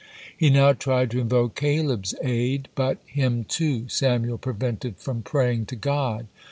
He now tried to invoke Caleb's aid, but him, too, Samael prevented from praying to God.